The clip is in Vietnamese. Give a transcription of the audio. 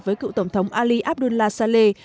với cựu tổng thống ali abdullah saleh